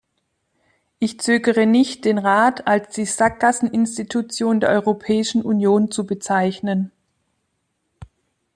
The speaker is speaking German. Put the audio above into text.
Ich zögere nicht, den Rat als die Sackgassen-Institution der Europäischen Union zu bezeichnen.